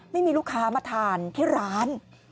ไม่มีลูกค้ามาทานที่ร้าน